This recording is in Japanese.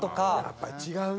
やっぱり違うね。